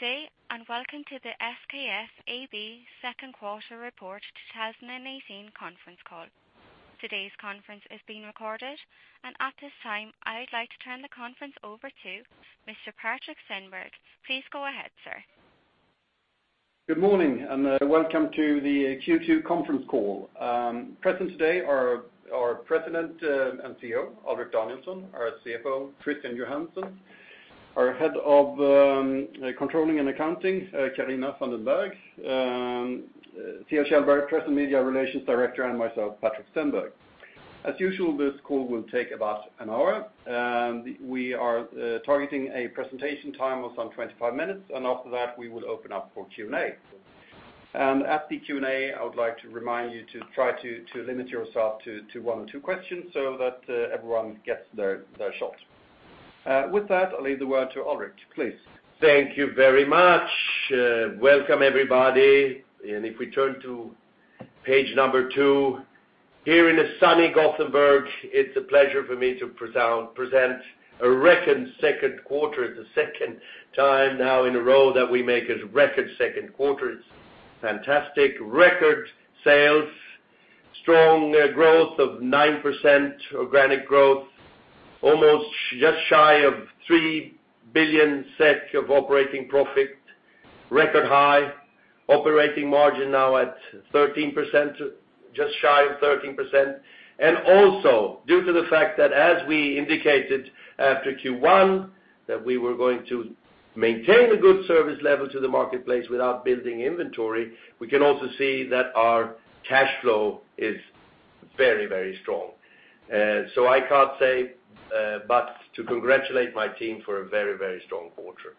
Good day, welcome to the AB SKF second quarter report 2018 conference call. Today's conference is being recorded. At this time, I would like to turn the conference over to Mr. Patrik Stenberg. Please go ahead, sir. Good morning, welcome to the Q2 conference call. Present today are our President and CEO, Alrik Danielson, our CFO, Christian Johansson, our Head of Controlling and Accounting, Carina van den Berg, Theo Kjellberg Press and Media Relations Director, myself, Patrik Stenberg. As usual, this call will take about an hour. We are targeting a presentation time of some 25 minutes. After that, we will open up for Q&A. At the Q&A, I would like to remind you to try to limit yourself to one or two questions so that everyone gets their shot. With that, I'll leave the word to Alrik. Please. Thank you very much. Welcome, everybody. If we turn to page number two, here in sunny Gothenburg, it's a pleasure for me to present a record second quarter. The second time now in a row that we make a record second quarter. It's fantastic. Record sales, strong growth of 9% organic growth, almost just shy of 3 billion SEK of operating profit, record high operating margin now at 13%, just shy of 13%. Also due to the fact that as we indicated after Q1 that we were going to maintain a good service level to the marketplace without building inventory, we can also see that our cash flow is very, very strong. I can't say but to congratulate my team for a very, very strong quarter.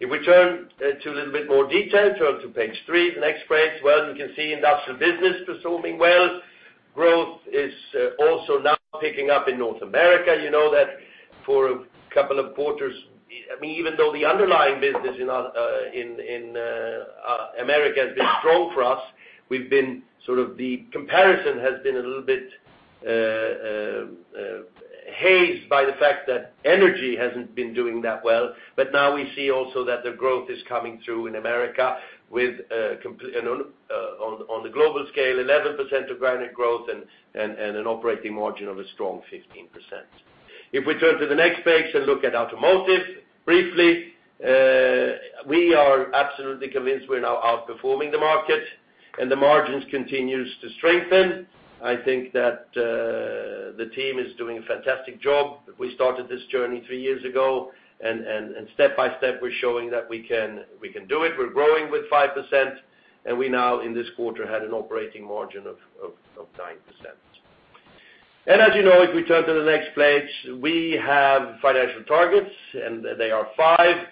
If we turn to a little bit more detail, turn to page three, the next page, you can see industrial business performing well. Growth is also now picking up in North America. You know that for a couple of quarters, even though the underlying business in America has been strong for us, the comparison has been a little bit hazed by the fact that energy hasn't been doing that well. Now we see also that the growth is coming through in America on the global scale, 11% organic growth, an operating margin of a strong 15%. If we turn to the next page, look at automotive briefly, we are absolutely convinced we're now outperforming the market, the margins continue to strengthen. I think that the team is doing a fantastic job. We started this journey three years ago, and step by step, we're showing that we can do it. We're growing with 5%, and we now, in this quarter, had an operating margin of 9%. As you know, if we turn to the next page, we have financial targets, and they are five.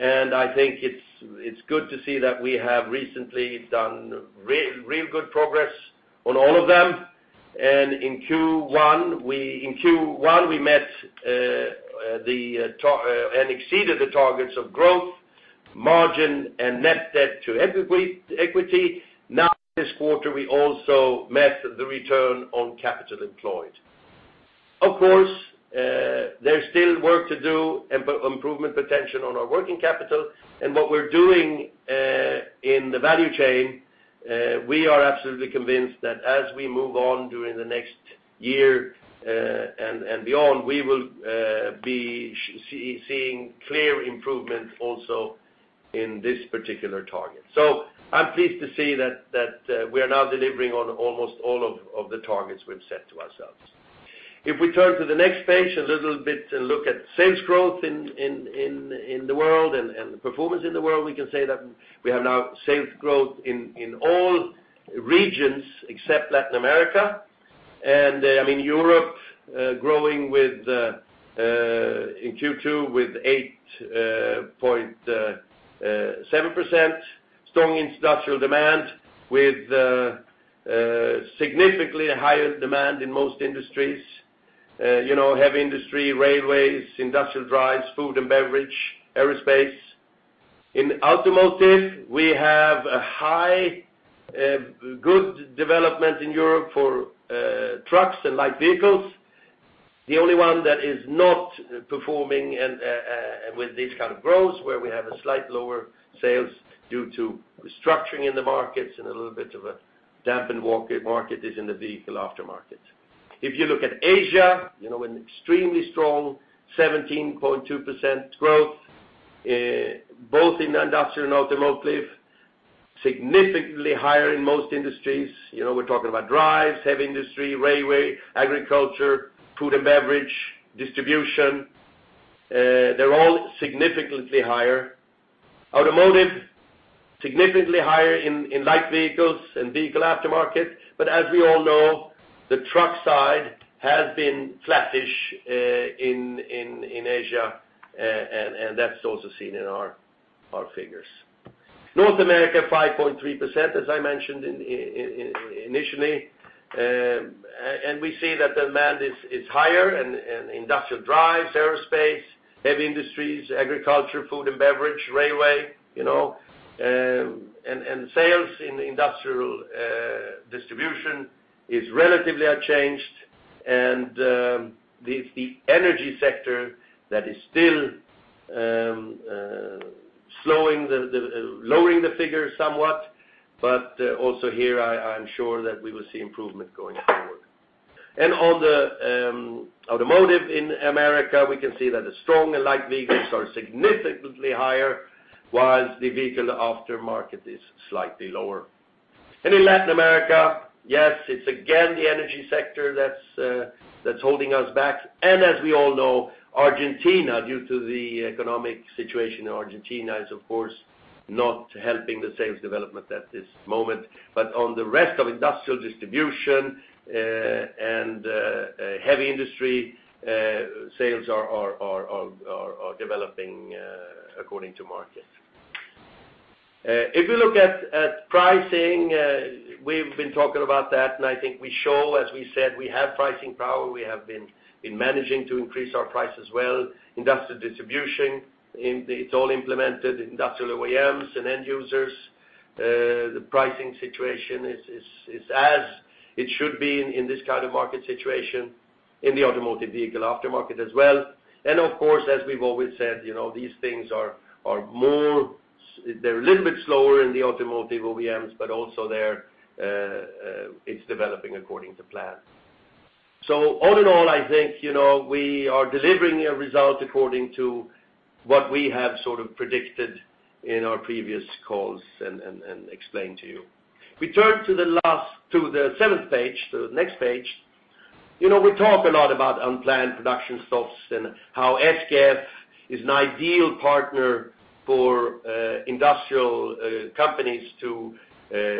I think it's good to see that we have recently done real good progress on all of them. In Q1, we met and exceeded the targets of growth, margin, and net debt to equity. Now, this quarter, we also met the return on capital employed. Of course, there's still work to do, improvement potential on our working capital. What we're doing in the value chain we are absolutely convinced that as we move on during the next year and beyond, we will be seeing clear improvement also in this particular target. I'm pleased to see that we are now delivering on almost all of the targets we've set to ourselves. If we turn to the next page, a little bit look at sales growth in the world and performance in the world, we can say that we have now sales growth in all regions except Latin America. Europe growing in Q2 with 8.7%, strong industrial demand with significantly higher demand in most industries. Heavy industry, railways, industrial drives, food and beverage, aerospace. In automotive, we have a high, good development in Europe for trucks and light vehicles. The only one that is not performing with this kind of growth, where we have a slight lower sales due to restructuring in the markets and a little bit of a dampened market is in the vehicle aftermarket. If you look at Asia, an extremely strong 17.2% growth, both in industrial and automotive, significantly higher in most industries. We're talking about drives, heavy industry, railway, agriculture, food and beverage, distribution. They're all significantly higher. Automotive, significantly higher in light vehicles and vehicle aftermarket. As we all know, the truck side has been flattish in Asia, and that's also seen in our figures. North America, 5.3%, as I mentioned initially. We see that demand is higher in industrial drives, aerospace, heavy industries, agriculture, food and beverage, railway. Sales in industrial distribution is relatively unchanged. It's the energy sector that is still lowering the figure somewhat, but also here I am sure that we will see improvement going forward. On the automotive in America, we can see that the strong light vehicles are significantly higher, whilst the vehicle aftermarket is slightly lower. In Latin America, yes, it's again the energy sector that's holding us back, and as we all know, Argentina, due to the economic situation in Argentina, is of course not helping the sales development at this moment. On the rest of industrial distribution, and heavy industry, sales are developing according to market. If you look at pricing, we've been talking about that. I think we show, as we said, we have pricing power. We have been managing to increase our price as well. Industrial distribution, it's all implemented. Industrial OEMs and end users, the pricing situation is as it should be in this kind of market situation, in the automotive vehicle aftermarket as well. Of course, as we've always said, these things are a little bit slower in the automotive OEMs, but also there it's developing according to plan. All in all, I think, we are delivering a result according to what we have sort of predicted in our previous calls and explained to you. If we turn to the seventh page, to the next page. We talk a lot about unplanned production stops and how SKF is an ideal partner for industrial companies to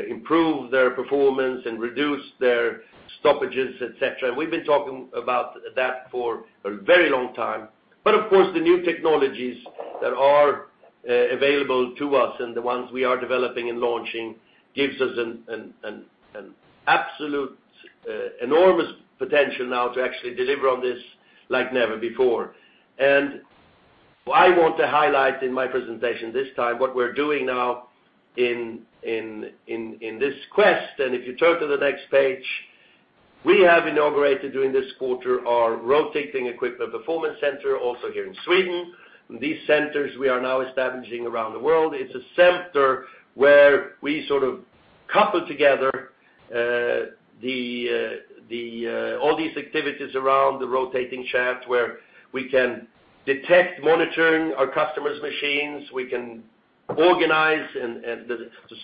improve their performance and reduce their stoppages, et cetera. We've been talking about that for a very long time. Of course, the new technologies that are available to us and the ones we are developing and launching gives us an absolute enormous potential now to actually deliver on this like never before. I want to highlight in my presentation this time what we're doing now in this quest. If you turn to the next page, we have inaugurated during this quarter our Rotating Equipment Performance Center, also here in Sweden. These centers we are now establishing around the world. It's a center where we sort of couple together all these activities around the rotating shaft, where we can detect, monitoring our customers' machines, we can organize and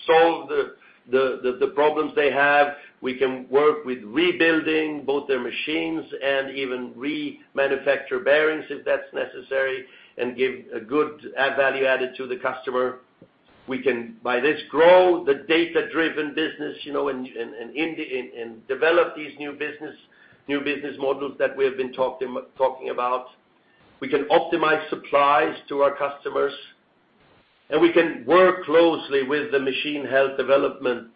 solve the problems they have. We can work with rebuilding both their machines and even remanufacture bearings if that's necessary, and give a good value added to the customer. We can, by this, grow the data-driven business, and develop these new business models that we have been talking about. We can optimize supplies to our customers, and we can work closely with the machine health development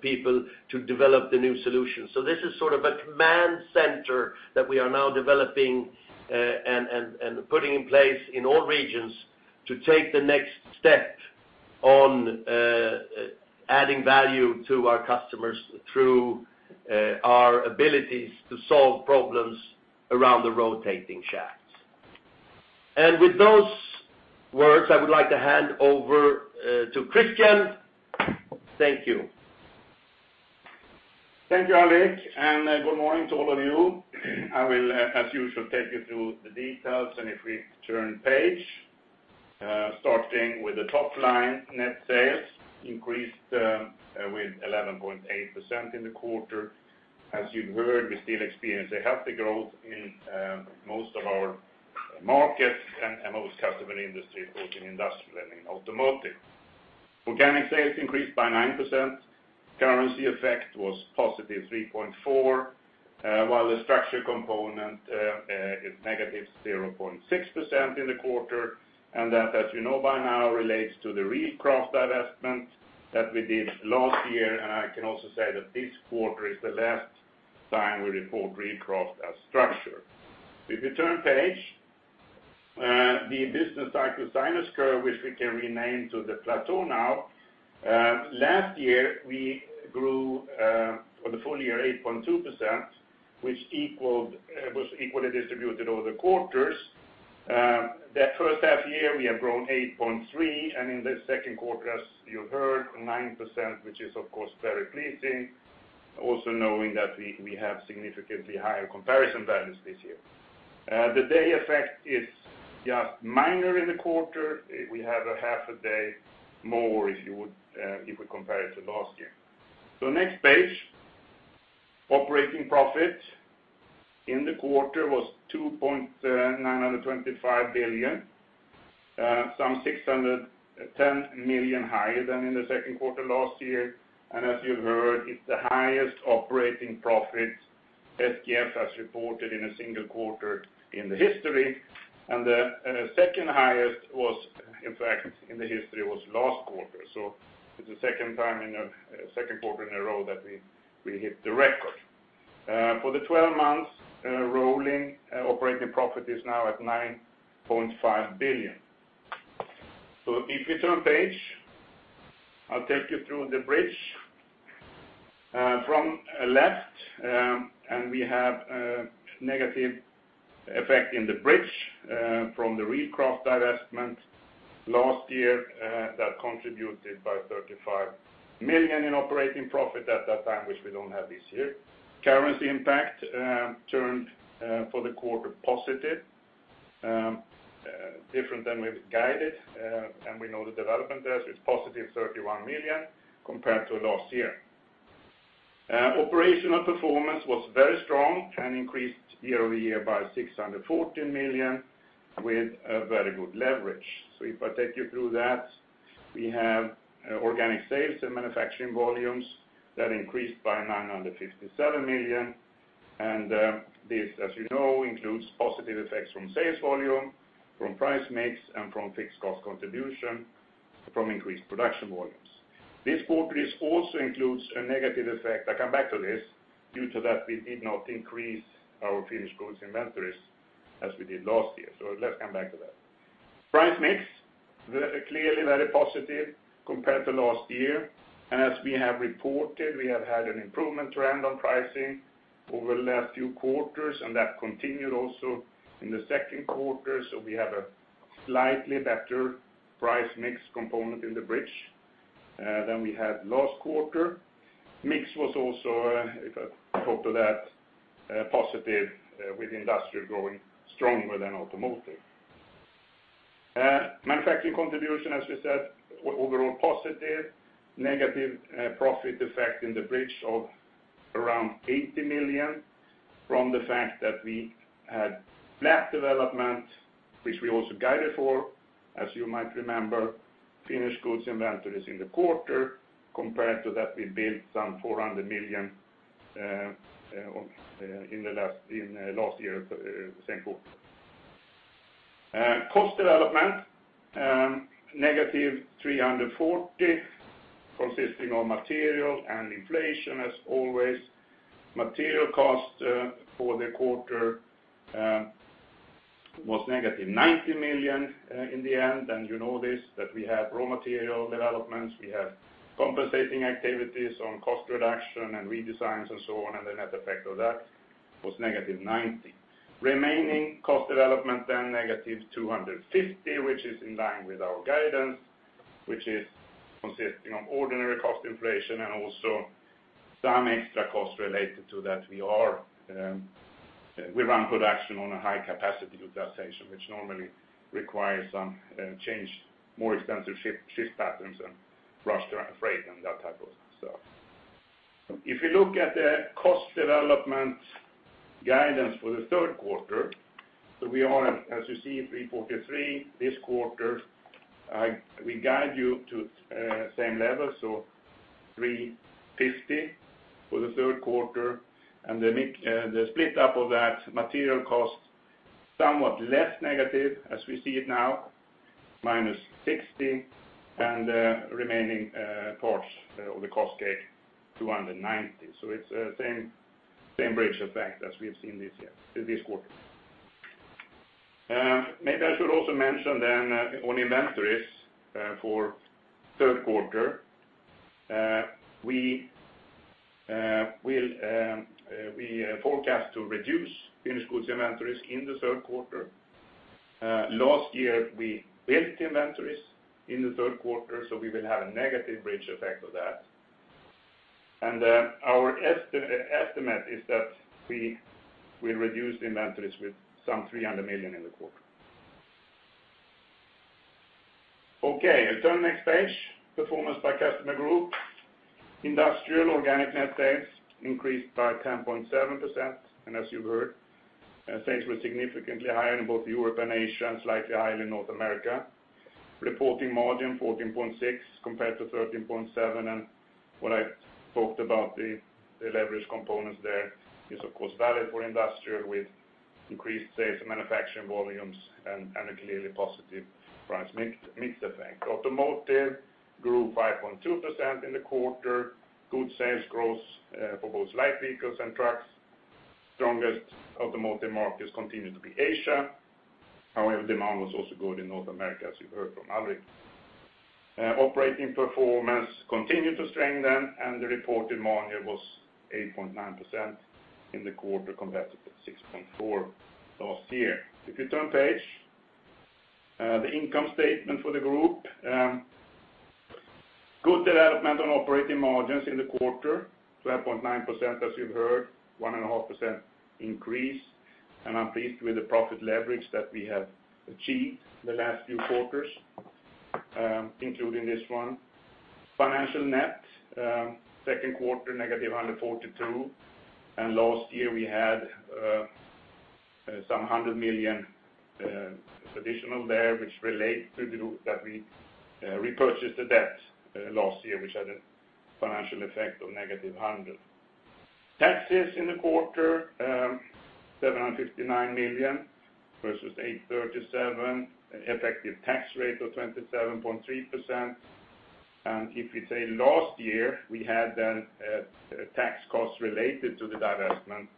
people to develop the new solutions. This is sort of a command center that we are now developing, and putting in place in all regions to take the next step on adding value to our customers through our abilities to solve problems around the rotating shafts. With those words, I would like to hand over to Christian. Thank you. Thank you, Alrik, and good morning to all of you. I will, as usual, take you through the details, if we turn page. Starting with the top line, net sales increased with 11.8% in the quarter. As you heard, we still experience a healthy growth in most of our markets and most customer industry, both in industrial and in automotive. Organic sales increased by 9%. Currency effect was positive 3.4%, while the structure component is negative 0.6% in the quarter. That, as you know by now, relates to the Reelcraft divestment that we did last year. I can also say that this quarter is the last time we report Reelcraft as structure. If you turn page, the business cycle sinus curve, which we can rename to the plateau now. Last year, we grew for the full year 8.2%, which was equally distributed over the quarters. That first half year, we have grown 8.3%, and in the second quarter, as you heard, 9%, which is of course very pleasing, also knowing that we have significantly higher comparison values this year. The day effect is just minor in the quarter. We have a half a day more if we compare it to last year. Next page. Operating profit in the quarter was 2.925 billion, some 610 million higher than in the second quarter last year. As you heard, it's the highest operating profit SKF has reported in a single quarter in the history. The second highest was, in fact, in the history was last quarter. It's the second quarter in a row that we hit the record. For the 12 months rolling, operating profit is now at 9.5 billion. If you turn page, I'll take you through the bridge From left, and we have a negative effect in the bridge from the Reelcraft divestment last year that contributed by 35 million in operating profit at that time, which we don't have this year. Currency impact turned for the quarter positive, different than we've guided, and we know the development there. It's positive 31 million compared to last year. Operational performance was very strong and increased year-over-year by 614 million with a very good leverage. If I take you through that, we have organic sales and manufacturing volumes that increased by 957 million. This, as you know, includes positive effects from sales volume, from price mix, and from fixed cost contribution from increased production volumes. This quarter also includes a negative effect, I come back to this, due to that we did not increase our finished goods inventories as we did last year. Let's come back to that. Price mix, clearly very positive compared to last year. As we have reported, we have had an improvement trend on pricing over the last few quarters, and that continued also in the second quarter. We have a slightly better price mix component in the bridge than we had last quarter. Mix was also, if I talk to that, positive with industrial growing stronger than automotive. Manufacturing contribution, as we said, overall positive. Negative profit effect in the bridge of around 80 million from the fact that we had flat development, which we also guided for, as you might remember, finished goods inventories in the quarter, compared to that we built some 400 million in last year, same quarter. Cost development, negative 340 million, consisting of material and inflation as always. Material cost for the quarter was negative 90 million in the end. You know this, that we have raw material developments, we have compensating activities on cost reduction and redesigns and so on, and the net effect of that was negative 90 million. Remaining cost development, then negative 250, which is in line with our guidance, which is consisting of ordinary cost inflation and also some extra cost related to that we run production on a high capacity utilization, which normally requires some change, more extensive shift patterns and rush freight and that type of stuff. If you look at the cost development guidance for the third quarter, we are, as you see, 343 this quarter. We guide you to same level, 350 for the third quarter. The split up of that material cost, somewhat less negative as we see it now, minus 60, and the remaining parts of the cost cake, 290. It's same bridge effect as we have seen this quarter. Maybe I should also mention then on inventories for third quarter, we forecast to reduce finished goods inventories in the third quarter. Last year, we built inventories in the third quarter, so we will have a negative bridge effect of that. Our estimate is that we'll reduce inventories with some 300 million in the quarter. Okay, if you turn next page, performance by customer group. Industrial organic net sales increased by 10.7%, and as you heard, sales were significantly higher in both Europe and Asia, slightly higher in North America. Reporting margin 14.6% compared to 13.7%, and what I talked about, the leverage components there is, of course, valid for industrial with increased sales and manufacturing volumes and a clearly positive price mix effect. Automotive grew 5.2% in the quarter. Good sales growth for both light vehicles and trucks. Strongest automotive markets continue to be Asia. However, demand was also good in North America, as you heard from Alrik. Operating performance continued to strengthen, and the reported margin was 8.9% in the quarter compared to 6.4% last year. If you turn page, the income statement for the group. Good development on operating margins in the quarter, 12.9% as you've heard, one and a half percent increase. I'm pleased with the profit leverage that we have achieved the last few quarters, including this one. Financial net, second quarter, negative 142, and last year we had some 100 million additional there, which relate to the group that we repurchased the debt last year, which had a financial effect of negative 100. Taxes in the quarter, 759 million versus 837 million. Effective tax rate of 27.3%. If you say last year, we had then a tax cost related to the divestment.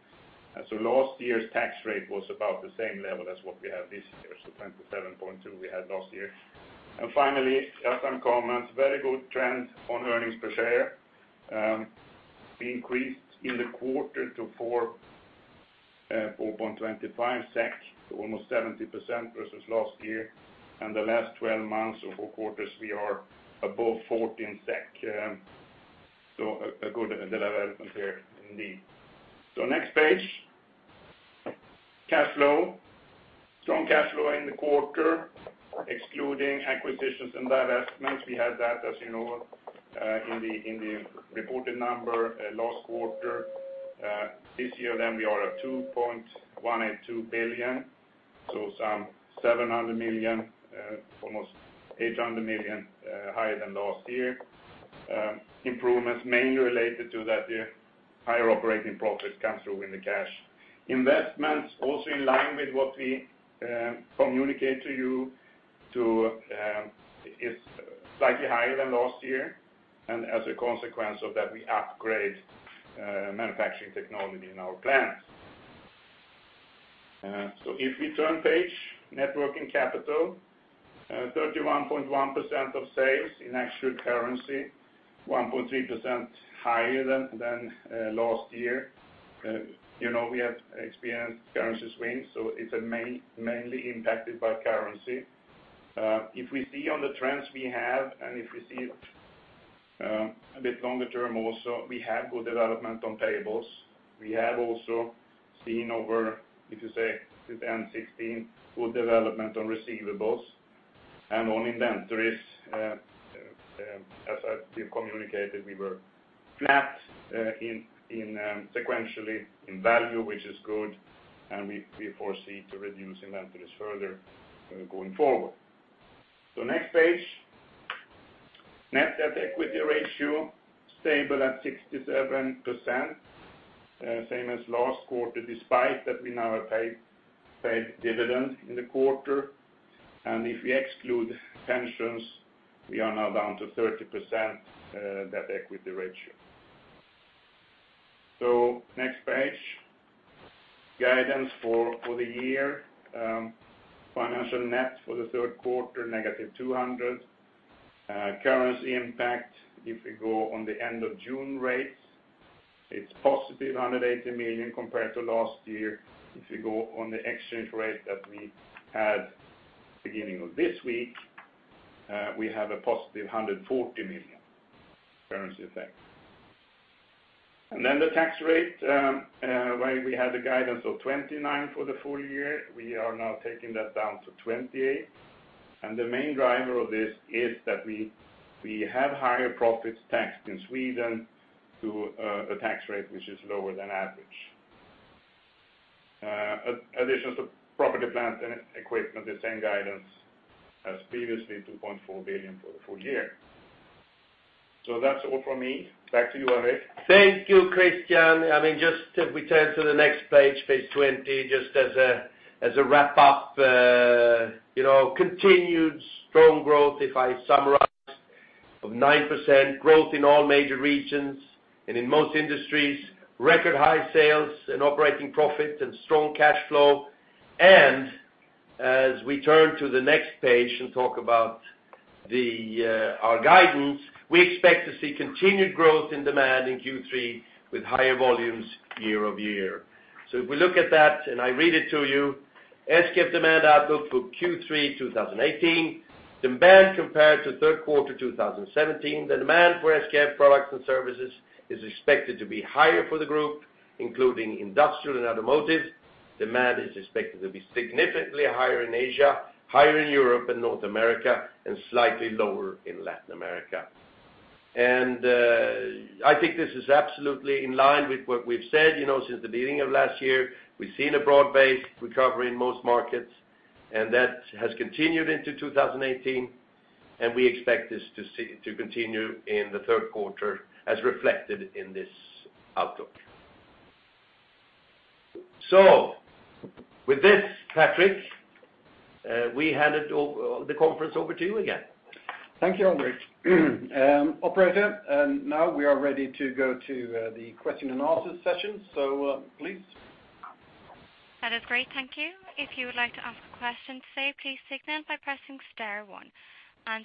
Last year's tax rate was about the same level as what we have this year, so 27.2% we had last year. Finally, some comments. Very good trend on earnings per share increased in the quarter to 4.25 SEK, so almost 70% versus last year. The last 12 months or four quarters, we are above 14 SEK. A good development there indeed. Next page. Cash flow. Strong cash flow in the quarter, excluding acquisitions and divestments. We had that, as you know, in the reported number last quarter. This year then we are at 2.182 billion, so some 700 million, almost 800 million higher than last year. Improvements mainly related to the higher operating profit come through in the cash. Investments also in line with what we communicate to you, it's slightly higher than last year, and as a consequence of that, we upgrade manufacturing technology in our plants. If we turn page, net working capital, 31.1% of sales in actual currency, 1.3% higher than last year. We have experienced currency swings, so it's mainly impacted by currency. If we see on the trends we have, and if we see a bit longer term also, we have good development on payables. We have also seen over, if you say, since 2016, good development on receivables. On inventories, as we've communicated, we were flat sequentially in value, which is good, and we foresee to reduce inventories further going forward. Next page. Net debt equity ratio stable at 67%, same as last quarter, despite that we now have paid dividend in the quarter. If we exclude pensions, we are now down to 30% debt equity ratio. Next page, guidance for the year. Financial net for the third quarter, negative 200. Currency impact, if we go on the end of June rates, it's positive 180 million compared to last year. If you go on the exchange rate that we had beginning of this week, we have a positive 140 million currency effect. The tax rate, where we had a guidance of 29% for the full year, we are now taking that down to 28%. The main driver of this is that we have higher profits taxed in Sweden to a tax rate which is lower than average. Additions to property, plant, and equipment, the same guidance as previously, 2.4 billion for the full year. That's all from me. Back to you, Alrik. Thank you, Christian. If we turn to the next page 20, just as a wrap up. Continued strong growth, if I summarize, of 9%, growth in all major regions and in most industries. Record high sales and operating profit and strong cash flow. As we turn to the next page and talk about our guidance, we expect to see continued growth in demand in Q3 with higher volumes year-over-year. If we look at that, and I read it to you, SKF demand outlook for Q3 2018. Demand compared to third quarter 2017. The demand for SKF products and services is expected to be higher for the group, including industrial and automotive. Demand is expected to be significantly higher in Asia, higher in Europe and North America, and slightly lower in Latin America. I think this is absolutely in line with what we've said since the beginning of last year. We've seen a broad-based recovery in most markets, and that has continued into 2018, and we expect this to continue in the third quarter as reflected in this outlook. With this, Patrik, we hand the conference over to you again. Thank you, Alrik. Operator, now we are ready to go to the question and answer session. Please. That is great. Thank you. If you would like to ask a question today, please signal by pressing star one.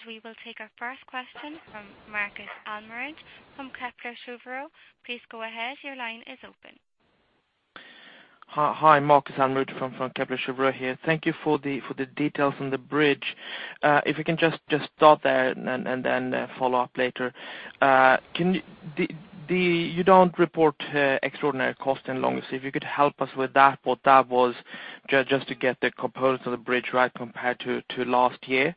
We will take our first question from Marcus Almerud from Kepler Cheuvreux. Please go ahead. Your line is open. Hi, Marcus Almerud from Kepler Cheuvreux here. Thank you for the details on the bridge. If you can just start there. Then follow up later. You don't report extraordinary cost in [Longse]. If you could help us with that, what that was, just to get the components of the bridge right compared to last year.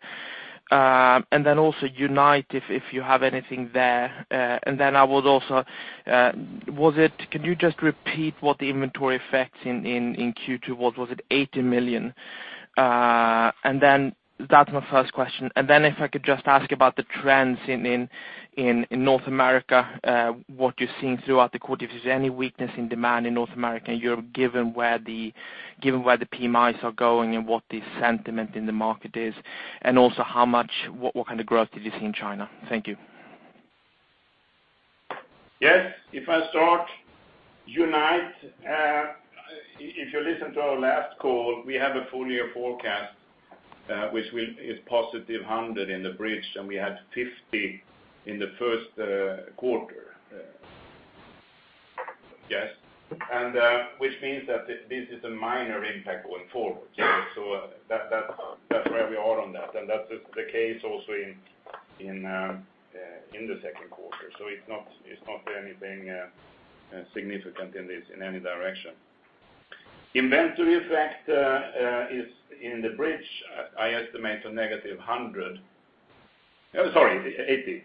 Then also Unite, if you have anything there. Then can you just repeat what the inventory effect in Q2 was? Was it 80 million? That's my first question. Then if I could just ask about the trends in North America, what you're seeing throughout the quarter. If there's any weakness in demand in North America and Europe, given where the PMIs are going and what the sentiment in the market is, also what kind of growth did you see in China? Thank you. Yes. If I start, Unite, if you listen to our last call, we have a full year forecast, which is positive 100 in the bridge, and we had 50 in the first quarter. Yes. Which means that this is a minor impact going forward. That's where we are on that. That's the case also in the second quarter. It's not anything significant in this in any direction. Inventory effect is in the bridge. I estimate a negative 100. Sorry, 80.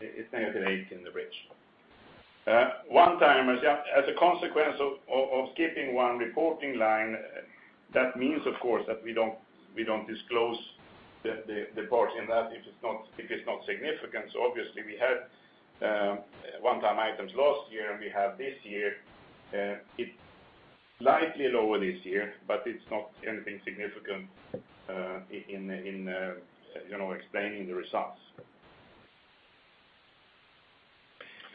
It's negative 80 in the bridge. One-timers, as a consequence of skipping one reporting line, that means, of course, that we don't disclose the part in that if it's not significant. Obviously we had one-time items last year and we have this year. It's slightly lower this year, but it's not anything significant in explaining the results.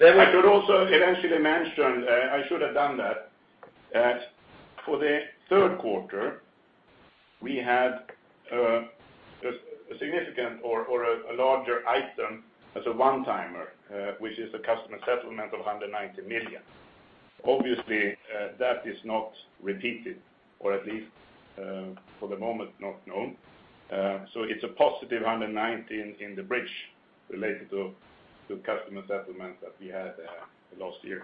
I could also eventually mention, I should have done that for the third quarter, we had a significant or a larger item as a one-timer, which is a customer settlement of 190 million. Obviously, that is not repeated, or at least, for the moment, not known. It is a positive 190 in the bridge related to customer settlements that we had last year.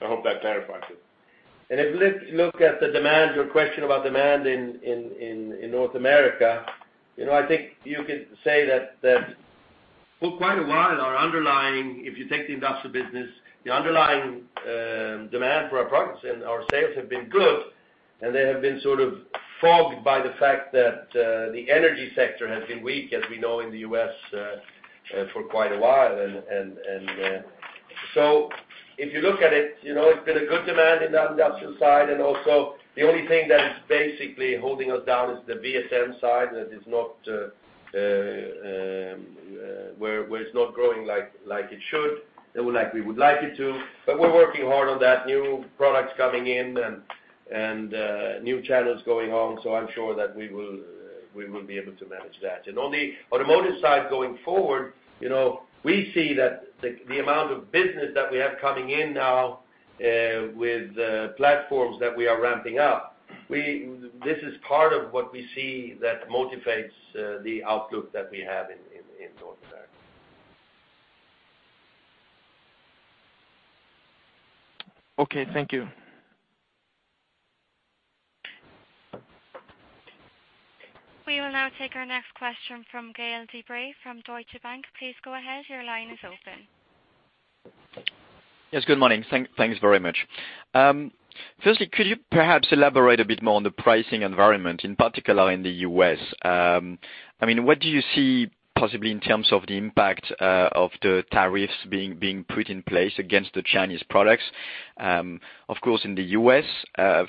I hope that clarifies it. If you look at the demand, your question about demand in North America, I think you can say that for quite a while, our underlying, if you take the industrial business, the underlying demand for our products and our sales have been good, and they have been sort of fogged by the fact that the energy sector has been weak, as we know, in the U.S. for quite a while. If you look at it has been a good demand in the industrial side, and also the only thing that is basically holding us down is the VSM side, where it is not growing like it should, and like we would like it to. We are working hard on that. New products coming in and new channels going on. I am sure that we will be able to manage that. On the automotive side going forward, we see that the amount of business that we have coming in now with platforms that we are ramping up, this is part of what we see that motivates the outlook that we have in North America. Okay. Thank you. We will now take our next question from Gael de-Bray from Deutsche Bank. Please go ahead. Your line is open. Yes, good morning. Thanks very much. Firstly, could you perhaps elaborate a bit more on the pricing environment, in particular in the U.S.? What do you see possibly in terms of the impact of the tariffs being put in place against the Chinese products? Of course, in the U.S.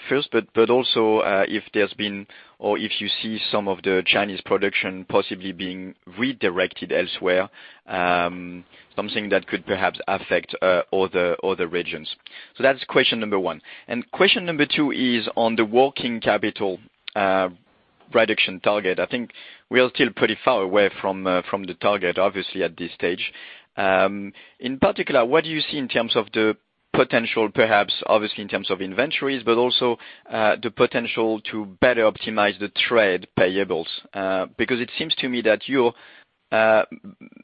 first, also if there's been, or if you see some of the Chinese production possibly being redirected elsewhere, something that could perhaps affect other regions. That's question number one. Question number two is on the working capital reduction target. I think we are still pretty far away from the target, obviously, at this stage. In particular, what do you see in terms of the potential, perhaps obviously in terms of inventories, but also the potential to better optimize the trade payables? It seems to me that you're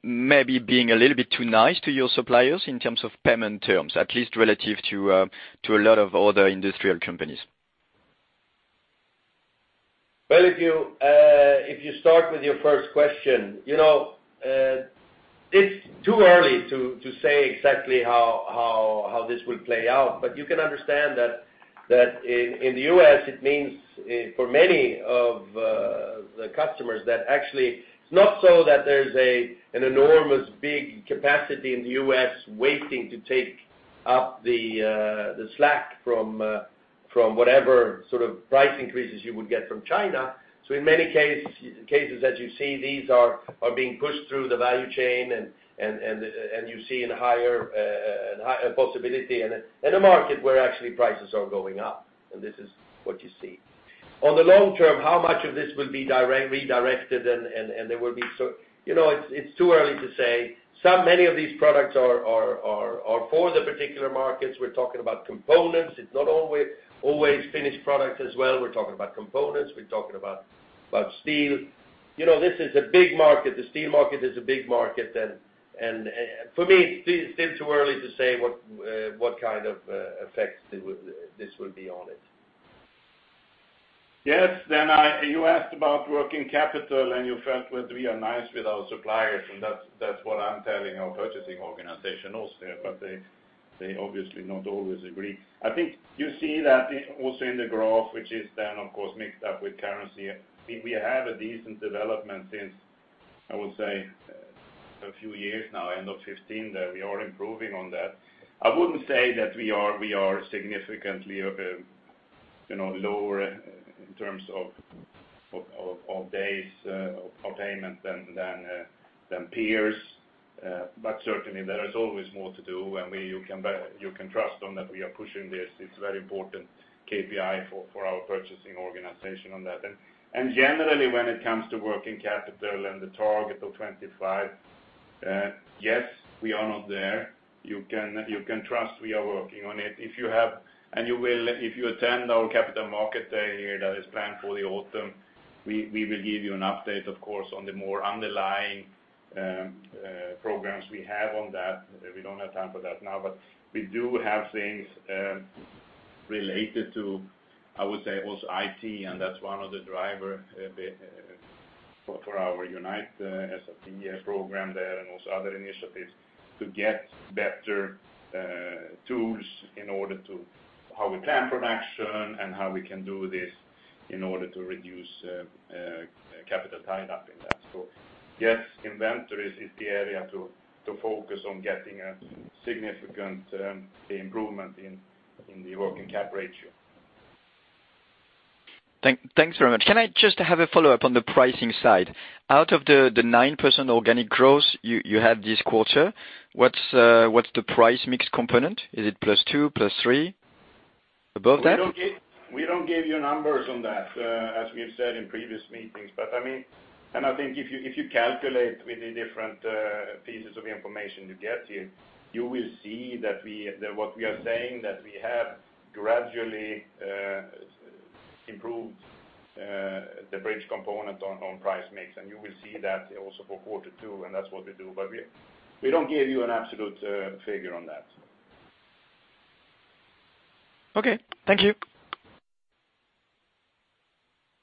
maybe being a little bit too nice to your suppliers in terms of payment terms, at least relative to a lot of other industrial companies. Well, if you start with your first question, it's too early to say exactly how this will play out, you can understand that in the U.S., it means for many of the customers that actually it's not so that there's an enormous big capacity in the U.S. waiting to take up the slack from whatever price increases you would get from China. In many cases that you see, these are being pushed through the value chain, and you see a possibility and a market where actually prices are going up. This is what you see. On the long term, how much of this will be redirected. It's too early to say. Many of these products are for the particular markets. We're talking about components. It's not always finished product as well. We're talking about components. We're talking about steel. This is a big market. The steel market is a big market, for me, it's still too early to say what kind of effect this will be on it. Yes. You asked about working capital, and you felt whether we are nice with our suppliers, and that's what I'm telling our purchasing organization also, but they obviously not always agree. I think you see that also in the graph, which is, of course, mixed up with currency. I think we have a decent development since, I would say, a few years now, end of 2015, that we are improving on that. I wouldn't say that we are significantly lower in terms of days of payment than peers. Certainly, there is always more to do, and you can trust that we are pushing this. It's a very important KPI for our purchasing organization on that. Generally, when it comes to working capital and the target of 25, yes, we are not there. You can trust we are working on it. If you attend our capital market day here that is planned for the autumn, we will give you an update, of course, on the more underlying programs we have on that. We don't have time for that now, but we do have things related to, I would say, also IT, and that's one of the driver for our Unite SAP Program there and also other initiatives to get better tools in order to how we plan production and how we can do this in order to reduce capital tied up in that. Yes, inventories is the area to focus on getting a significant improvement in the working cap ratio. Thanks very much. Can I just have a follow-up on the pricing side? Out of the 9% organic growth you had this quarter, what's the price mix component? Is it plus 2, plus 3? Above that? We don't give you numbers on that, as we have said in previous meetings. I think if you calculate with the different pieces of information you get here, you will see that what we are saying, that we have gradually improved the bridge component on price mix, and you will see that also for quarter two, and that's what we do, but we don't give you an absolute figure on that. Okay, thank you.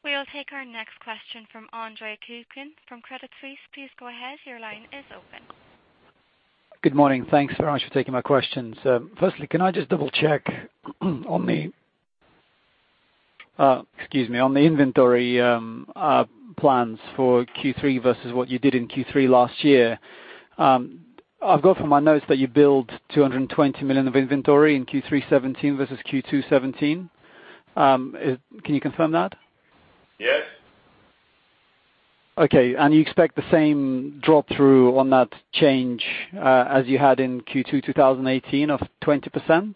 We will take our next question from Andre Kukhnin from Credit Suisse. Please go ahead. Your line is open. Good morning. Thanks very much for taking my questions. Firstly, can I just double-check on the inventory plans for Q3 versus what you did in Q3 last year? I've got from my notes that you build 220 million of inventory in Q3 2017 versus Q2 2017. Can you confirm that? Yes. Okay, you expect the same drop-through on that change as you had in Q2 2018 of 20%?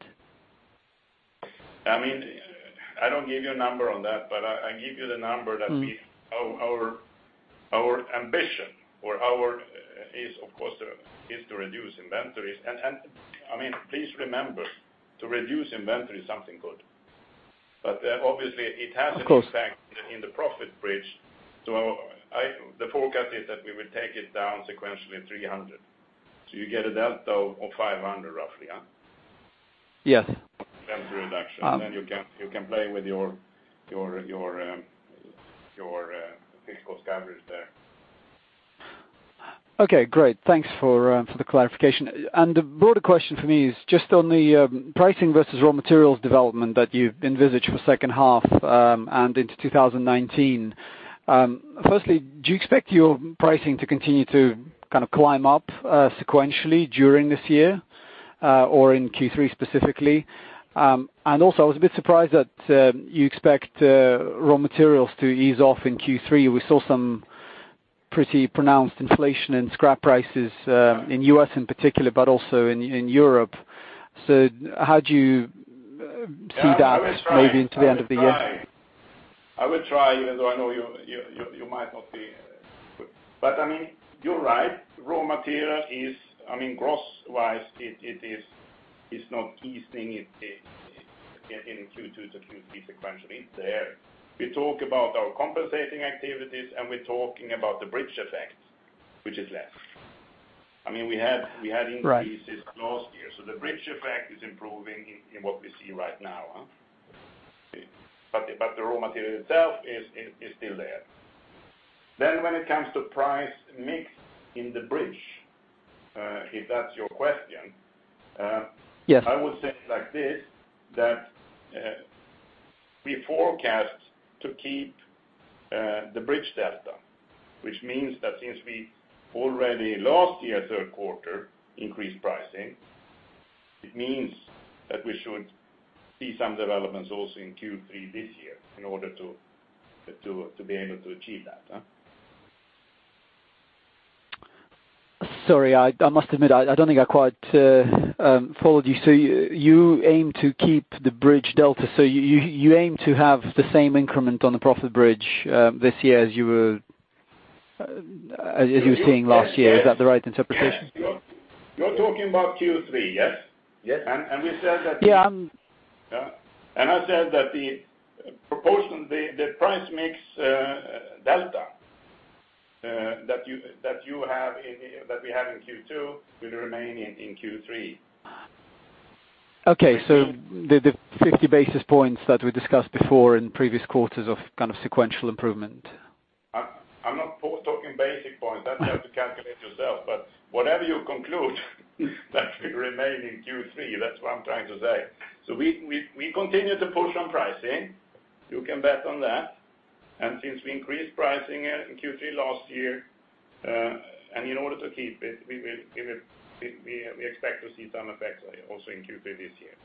I don't give you a number on that, but I give you the number that our ambition is, of course, is to reduce inventories. Please remember, to reduce inventory is something good. Obviously, it has an impact- Of course in the profit bridge. The forecast is that we will take it down sequentially 300. You get a delta of 500, roughly. Yes. Inventory reduction. You can play with your fixed cost average there. Okay, great. Thanks for the clarification. The broader question for me is just on the pricing versus raw materials development that you envisage for second half and into 2019. Firstly, do you expect your pricing to continue to climb up sequentially during this year or in Q3 specifically? Also, I was a bit surprised that you expect raw materials to ease off in Q3. We saw some pretty pronounced inflation in scrap prices in U.S. in particular, but also in Europe. How do you see that? Yeah maybe into the end of the year? I will try, even though I know you might not be. You're right, raw material is, gross wise, it's not easing in Q2 to Q3 sequentially. We talk about our compensating activities, and we're talking about the bridge effect, which is less. We had increases. Right last year. The bridge effect is improving in what we see right now. The raw material itself is still there. When it comes to price mix in the bridge, if that's your question? Yes I would say it like this, that we forecast to keep the bridge delta, which means that since we already last year, third quarter, increased pricing, it means that we should see some developments also in Q3 this year in order to be able to achieve that. Sorry, I must admit, I don't think I quite followed you. You aim to keep the bridge delta, so you aim to have the same increment on the profit bridge this year as you were seeing last year. Is that the right interpretation? You're talking about Q3, yes? Yes. we said that Yeah. I said that the proportion, the price mix delta that we have in Q2 will remain in Q3. Okay. The 50 basis points that we discussed before in previous quarters of sequential improvement. I'm not talking basis points. That you have to calculate yourself. Whatever you conclude, that will remain in Q3. That's what I'm trying to say. We continue to push on pricing. You can bet on that. Since we increased pricing in Q3 last year, and in order to keep it, we expect to see some effect also in Q3 this year.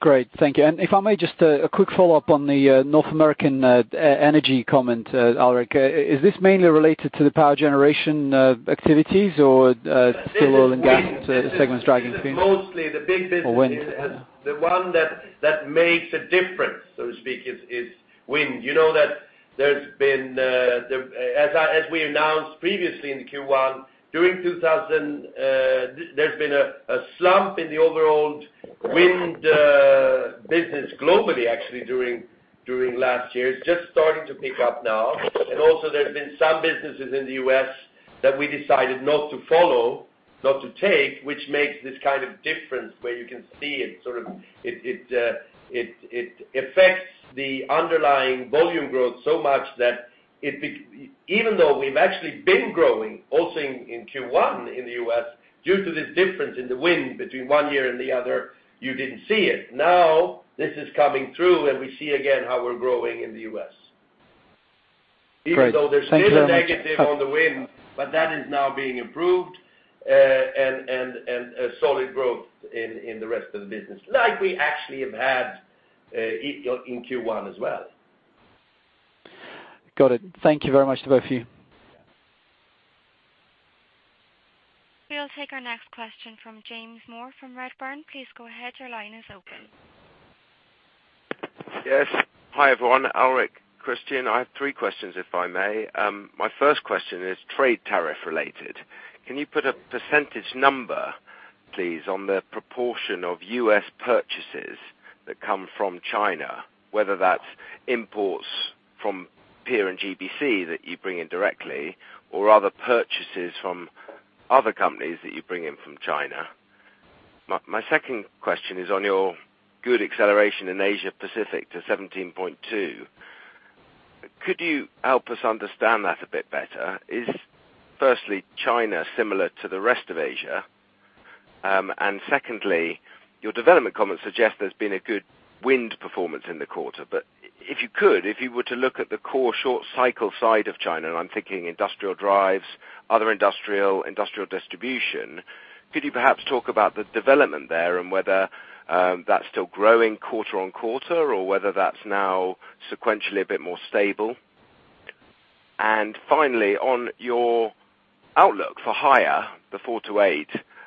Great, thank you. If I may, just a quick follow-up on the North American energy comment, Alrik. Is this mainly related to the power generation activities or still oil and gas segments driving? This is mostly the big business. Wind. the one that makes a difference, so to speak, is wind. You know that as we announced previously in Q1, there's been a slump in the overall wind business globally, actually during last year. It's just starting to pick up now. Also there have been some businesses in the U.S. that we decided not to follow, not to take, which makes this kind of difference where you can see it affects the underlying volume growth so much that even though we've actually been growing also in Q1 in the U.S., due to this difference in the wind between one year and the other, you didn't see it. This is coming through, and we see again how we're growing in the U.S. Great. Thank you. Even though there's still a negative on the wind, that is now being improved, and a solid growth in the rest of the business like we actually have had in Q1 as well. Got it. Thank you very much to both of you. We'll take our next question from James Moore from Redburn. Please go ahead. Your line is open. Yes. Hi, everyone. Alrik, Christian, I have three questions, if I may. My first question is trade tariff related. Can you put a percentage number, please, on the proportion of U.S. purchases that come from China, whether that's imports from PEER and GBC that you bring in directly, or other purchases from other companies that you bring in from China? My second question is on your good acceleration in Asia Pacific to 17.2%. Could you help us understand that a bit better? Is firstly, China similar to the rest of Asia? Secondly, your development comments suggest there's been a good wind performance in the quarter. If you could, if you were to look at the core short cycle side of China, I'm thinking industrial drives, other industrial distribution, could you perhaps talk about the development there and whether that's still growing quarter-on-quarter or whether that's now sequentially a bit more stable? Finally, on your outlook for higher, the 4%-8%,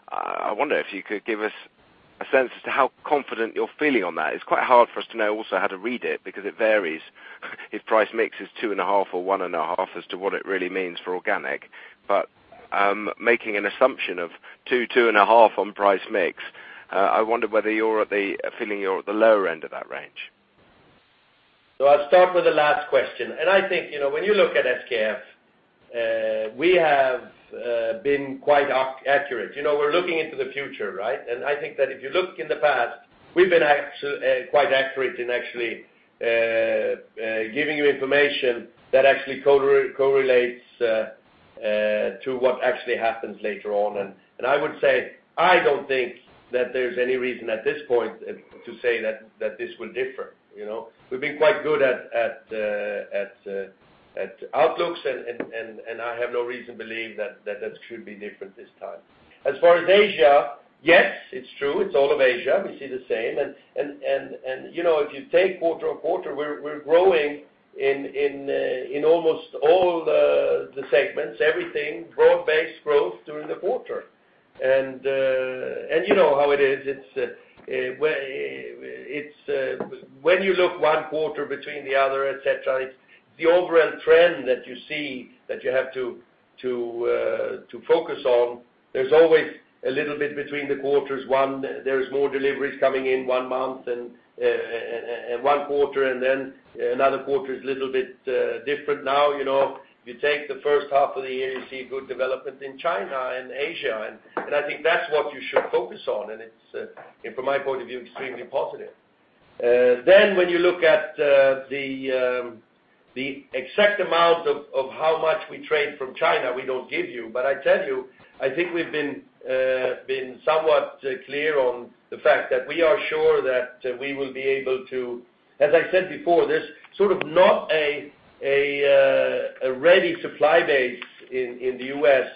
I wonder if you could give us a sense as to how confident you're feeling on that. It's quite hard for us to know also how to read it because it varies if price mix is 2.5% or 1.5% as to what it really means for organic. Making an assumption of 2%-2.5% on price mix, I wonder whether you're feeling you're at the lower end of that range. I'll start with the last question. I think, when you look at SKF, we have been quite accurate. We're looking into the future, right? I think that if you look in the past, we've been quite accurate in actually giving you information that actually correlates to what actually happens later on. I would say, I don't think that there's any reason at this point to say that this will differ. We've been quite good at outlooks, I have no reason to believe that should be different this time. As far as Asia, yes, it's true. It's all of Asia. We see the same. If you take quarter-on-quarter, we're growing in almost all the segments, everything, broad-based growth during the quarter. You know how it is. When you look one quarter between the other, et cetera, it's the overall trend that you see that you have to focus on. There's always a little bit between the quarters. One, there is more deliveries coming in one month and one quarter, and another quarter is a little bit different now. If you take the first half of the year, you see good development in China and Asia. I think that's what you should focus on. It's, from my point of view, extremely positive. When you look at the exact amount of how much we trade from China, we don't give you, but I tell you, I think we've been somewhat clear on the fact that we are sure that, as I said before, there's sort of not a ready supply base in the U.S.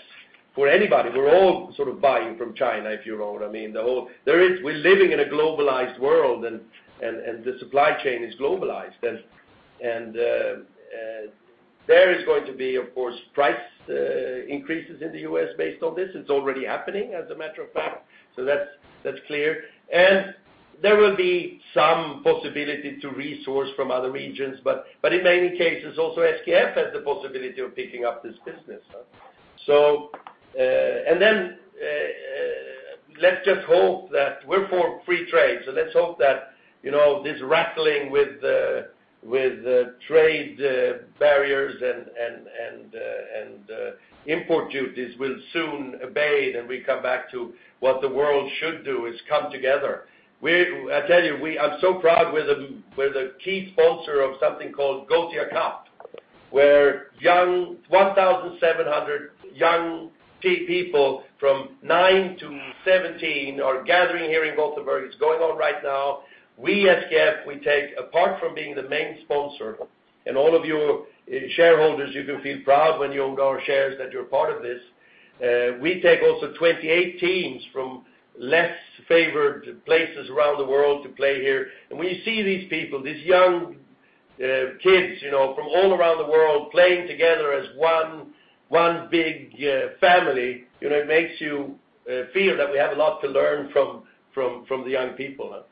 for anybody. We're all sort of buying from China, if you know what I mean. We're living in a globalized world and the supply chain is globalized. There is going to be, of course, price increases in the U.S. based on this. It's already happening as a matter of fact. That's clear. There will be some possibility to resource from other regions. In many cases, also SKF has the possibility of picking up this business. Let's just hope that we're for free trade. Let's hope that this rattling with trade barriers and import duties will soon abate and we come back to what the world should do, is come together. I tell you, I'm so proud we're the key sponsor of something called Gothia Cup where 1,700 young people from nine to 17 are gathering here in Gothenburg. It's going on right now. We, as SKF, apart from being the main sponsor, and all of you shareholders, you can feel proud when you own our shares that you're part of this. We take also 28 teams from less favored places around the world to play here. When you see these people, these young kids from all around the world playing together as one big family, it makes you feel that we have a lot to learn from the young people.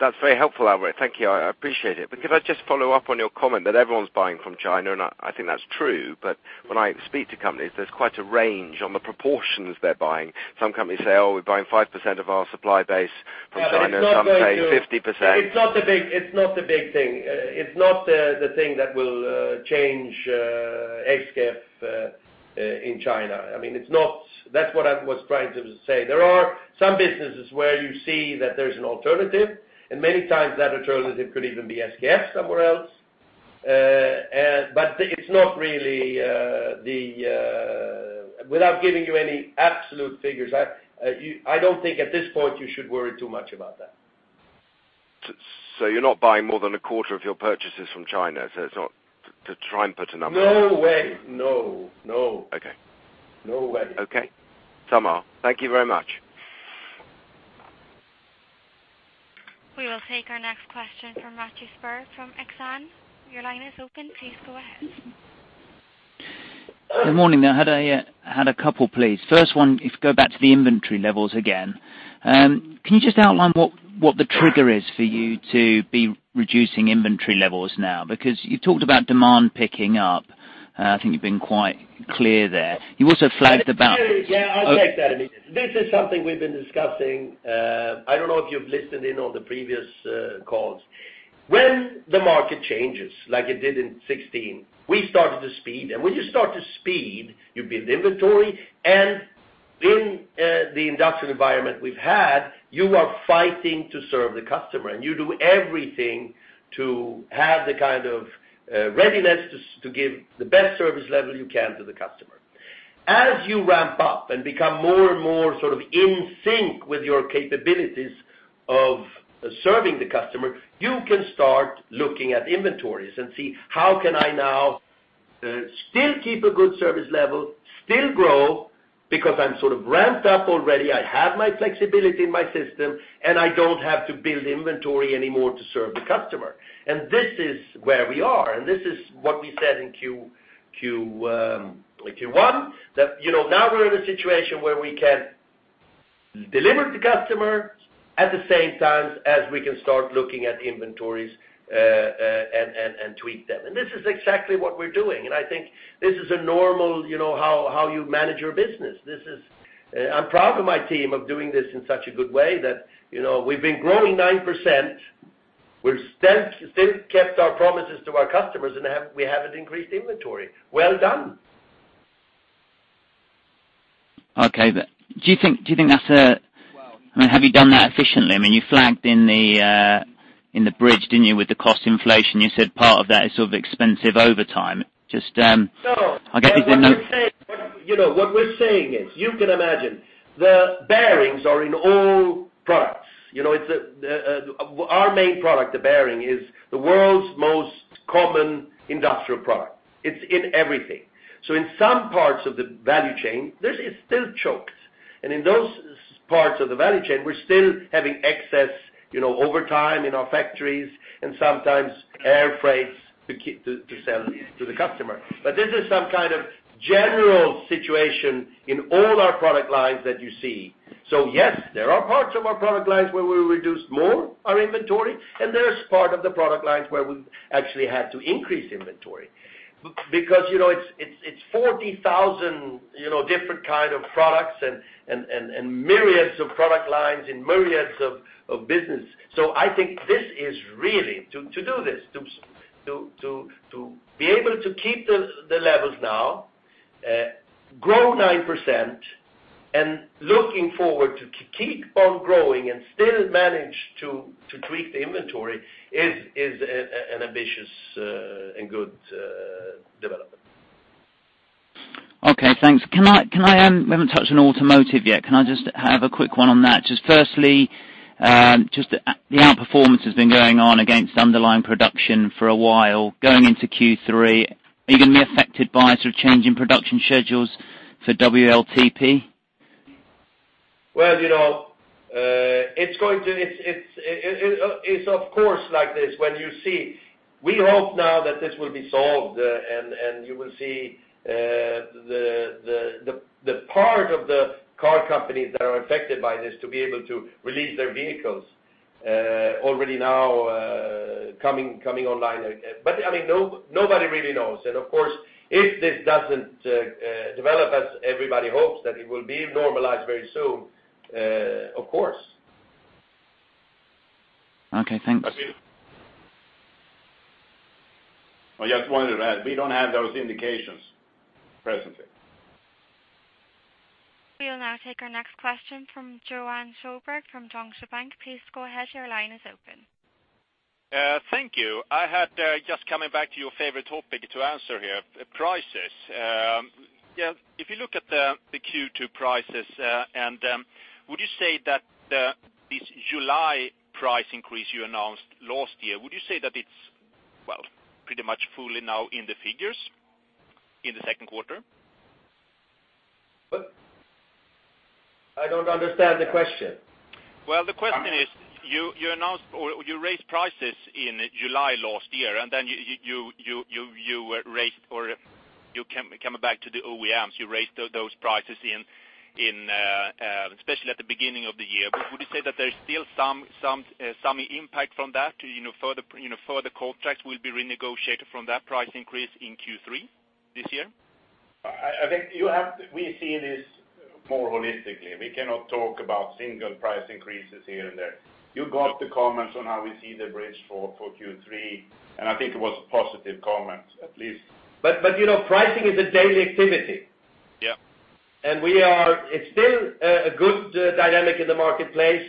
That's very helpful, Alrik. Thank you, I appreciate it. Could I just follow up on your comment that everyone's buying from China, and I think that's true, but when I speak to companies, there's quite a range on the proportions they're buying. Some companies say, "Oh, we're buying 5% of our supply base from China." Some say 50%. It's not the big thing. It's not the thing that will change SKF in China. That's what I was trying to say. There are some businesses where you see that there's an alternative, and many times, that alternative could even be SKF somewhere else. Without giving you any absolute figures, I don't think at this point you should worry too much about that. You're not buying more than a quarter of your purchases from China, so to try and put a number on it. No way. No. Okay. No way. Okay. [Tamar]. Thank you very much. We will take our next question from Matthew Spurr from Exane. Your line is open. Please go ahead. Good morning. I had a couple, please. First one, if you go back to the inventory levels again, can you just outline what the trigger is for you to be reducing inventory levels now? You talked about demand picking up, I think you've been quite clear there. You also flagged the balance. Yeah, I'll take that. This is something we've been discussing. I don't know if you've listened in on the previous calls. When the market changes like it did in 2016, we started to speed. When you start to speed, you build inventory, and in the industrial environment we've had, you are fighting to serve the customer, and you do everything to have the kind of readiness to give the best service level you can to the customer. As you ramp up and become more and more in sync with your capabilities of serving the customer, you can start looking at inventories and see, how can I now still keep a good service level, still grow, because I'm ramped up already, I have my flexibility in my system, and I don't have to build inventory anymore to serve the customer. This is where we are. This is what we said in Q1, that now we're in a situation where we can deliver to customer at the same time as we can start looking at the inventories, and tweak them. This is exactly what we're doing. I think this is a normal how you manage your business. I'm proud of my team of doing this in such a good way that we've been growing 9%, we've still kept our promises to our customers, and we haven't increased inventory. Well done. Okay. Have you done that efficiently? You flagged in the bridge, didn't you, with the cost inflation, you said part of that is expensive overtime. No I guess there's no- What we're saying is, you can imagine, the bearings are in all products. Our main product, the bearing, is the world's most common industrial product. It's in everything. In some parts of the value chain, this is still choked. In those parts of the value chain, we're still having excess overtime in our factories and sometimes air freights to sell to the customer. This is some kind of general situation in all our product lines that you see. Yes, there are parts of our product lines where we reduce more our inventory. There is part of the product lines where we actually had to increase inventory. Because it's 40,000 different kind of products and myriads of product lines and myriads of business. I think to do this, to be able to keep the levels now, grow 9%, and looking forward to keep on growing and still manage to tweak the inventory is an ambitious and good development. Okay, thanks. We haven't touched on automotive yet. Can I just have a quick one on that? Just firstly, the outperformance has been going on against underlying production for a while. Going into Q3, are you going to be affected by changing production schedules for WLTP? Well, it's of course like this. We hope now that this will be solved, and you will see the part of the car companies that are affected by this to be able to release their vehicles, already now coming online. Nobody really knows. Of course, if this doesn't develop as everybody hopes, that it will be normalized very soon, of course. Okay, thanks. I just wanted to add, we don't have those indications presently. We'll now take our next question from Johan Sjöberg from DNB Bank. Please go ahead. Your line is open. Thank you. I had just coming back to your favorite topic to answer here, prices. If you look at the Q2 prices, would you say that this July price increase you announced last year, would you say that it's pretty much fully now in the figures in the second quarter? I don't understand the question. The question is, you raised prices in July last year, and then you coming back to the OEMs, you raised those prices especially at the beginning of the year. Would you say that there's still some impact from that, further contracts will be renegotiated from that price increase in Q3 this year? I think we see this more holistically. We cannot talk about single price increases here and there. You got the comments on how we see the bridge for Q3, and I think it was a positive comment, at least. Pricing is a daily activity. Yeah. It's still a good dynamic in the marketplace,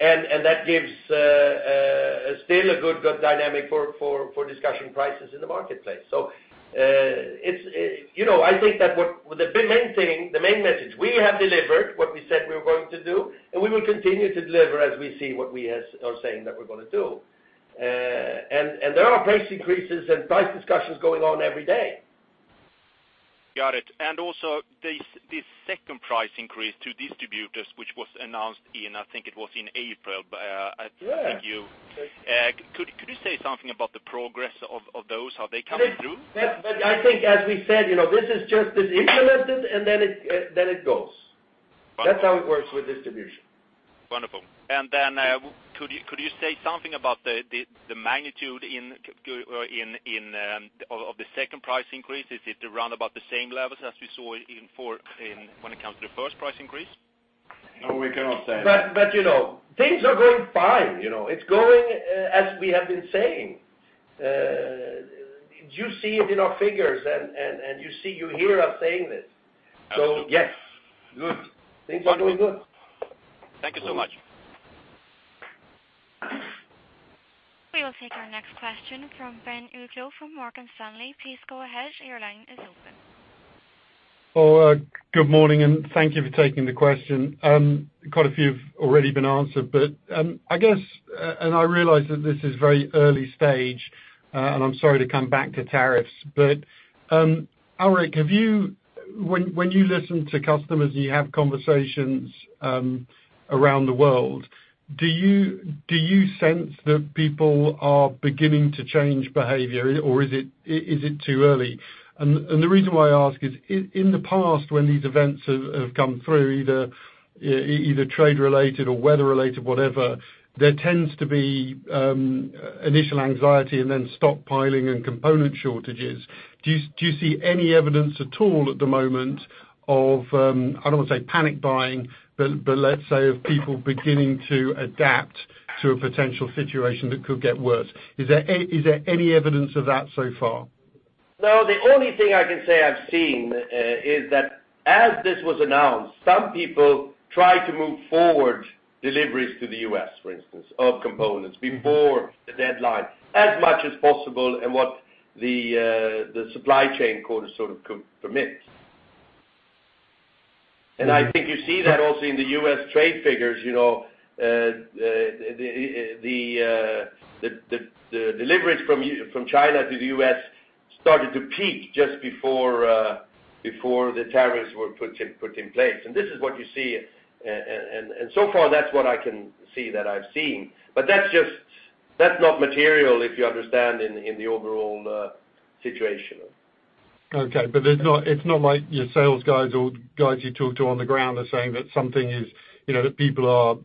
and that gives still a good dynamic for discussion prices in the marketplace. I think that the main message, we have delivered what we said we were going to do, and we will continue to deliver as we see what we are saying that we're going to do. There are price increases and price discussions going on every day. Got it. Also this second price increase to distributors, which was announced in, I think it was in April. Yeah. Could you say something about the progress of those? Are they coming through? I think as we said, this is just implemented and then it goes. That's how it works with distribution. Wonderful. Could you say something about the magnitude of the second price increase? Is it around about the same levels as we saw when it comes to the first price increase? No, we cannot say that. Things are going fine. It's going as we have been saying. You see it in our figures, and you hear us saying this. Yes. Good. Things are going good. Thank you so much. We will take our next question from Ben Uglow from Morgan Stanley. Please go ahead. Your line is open. Good morning. Thank you for taking the question. Quite a few have already been answered, but I guess, and I realize that this is very early stage, and I'm sorry to come back to tariffs, but Alrik, when you listen to customers and you have conversations around the world, do you sense that people are beginning to change behavior or is it too early? The reason why I ask is in the past when these events have come through, either trade related or weather related, whatever, there tends to be initial anxiety and then stockpiling and component shortages. Do you see any evidence at all at the moment of, I don't want to say panic buying, but let's say of people beginning to adapt to a potential situation that could get worse? Is there any evidence of that so far? No. The only thing I can say I've seen is that as this was announced, some people tried to move forward deliveries to the U.S., for instance, of components before the deadline, as much as possible, and what the supply chain quarter sort of permits. I think you see that also in the U.S. trade figures, the deliveries from China to the U.S. started to peak just before the tariffs were put in place. This is what you see. So far, that's what I can see that I've seen. That's not material, if you understand in the overall situation. Okay. It's not like your sales guys or guys you talk to on the ground are saying that people are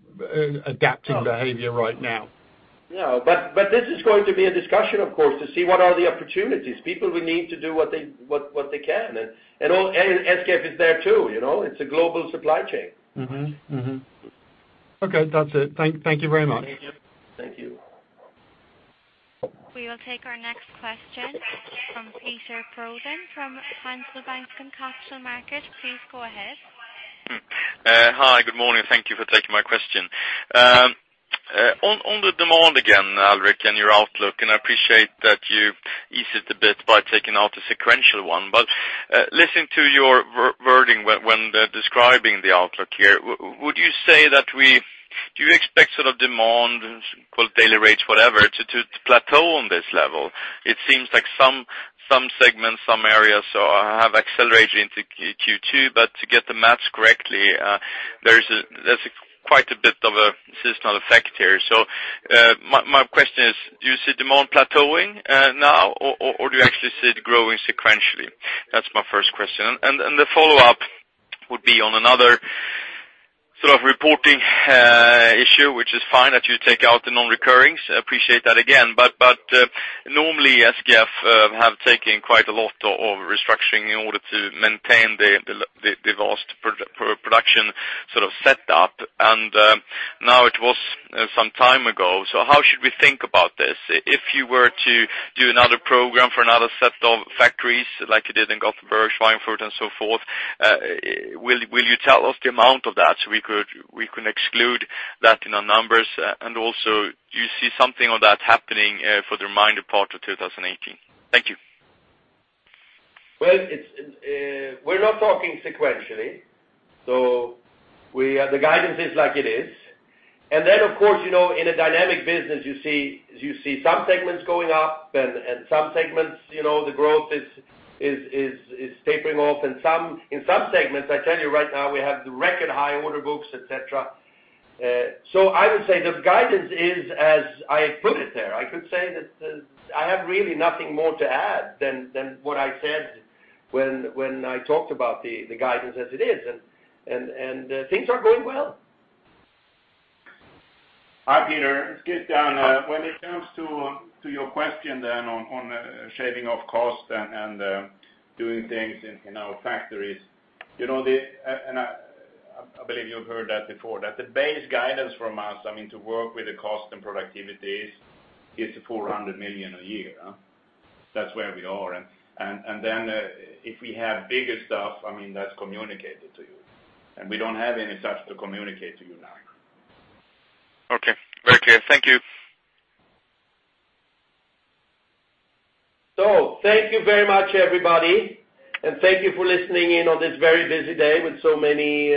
adapting behavior right now. No. This is going to be a discussion, of course, to see what are the opportunities. People will need to do what they can. SKF is there too. It's a global supply chain. Okay. That's it. Thank you very much. Thank you. We will take our next question from Peter Prodan from Hansabank and Capital Markets. Please go ahead. Hi. Good morning. Thank you for taking my question. On the demand again, Alrik, your outlook. I appreciate that you've eased it a bit by taking out a sequential one. Listening to your wording when describing the outlook here, do you expect sort of demand, daily rates, whatever, to plateau on this level? It seems like some segments, some areas have accelerated into Q2, to get the maths correctly there's quite a bit of a seasonal effect here. My question is, do you see demand plateauing now, or do you actually see it growing sequentially? That's my first question. The follow-up would be on another sort of reporting issue, which is fine that you take out the non-recurrings. I appreciate that again. Normally, SKF have taken quite a lot of restructuring in order to maintain the vast production sort of set up, and now it was some time ago. How should we think about this? If you were to do another program for another set of factories like you did in Gothenburg, Schweinfurt and so forth, will you tell us the amount of that, so we can exclude that in our numbers? Also, do you see something on that happening for the remaining part of 2018? Thank you. Well, we're not talking sequentially, the guidance is like it is. Then, of course, in a dynamic business, you see some segments going up and some segments, the growth is tapering off. In some segments, I tell you right now, we have the record high order books, et cetera. I would say the guidance is, as I put it there. I could say that I have really nothing more to add than what I said when I talked about the guidance as it is. Things are going well. Hi, Peter. It's Christian. When it comes to your question then on shaving off cost and doing things in our factories, I believe you've heard that before, that the base guidance from us, I mean, to work with the cost and productivities, is 400 million a year. That's where we are. Then if we have bigger stuff, that's communicated to you. We don't have any such to communicate to you now. Okay, very clear. Thank you. Thank you very much, everybody, and thank you for listening in on this very busy day with so many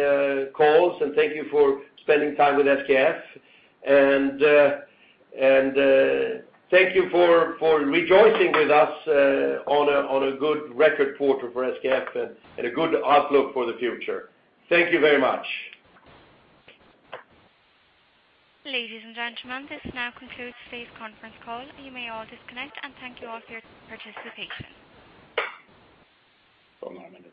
calls, and thank you for spending time with SKF. Thank you for rejoicing with us on a good record quarter for SKF and a good outlook for the future. Thank you very much. Ladies and gentlemen, this now concludes today's conference call. You may all disconnect, and thank you all for your participation. For a moment